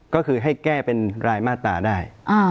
ก็คือให้แก้เป็นรายมาตราได้